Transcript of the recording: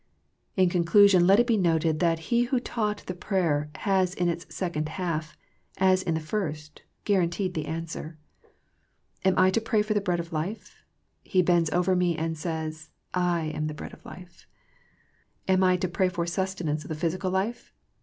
In conclusion, let it be noted that He who taught the prayer has in its second half, as in the first, guaranteed the answer. Am I to pray for the bread of life ? He bends over me and says, " I am the Bread of Life." Am I to pray for sustenance of the physical life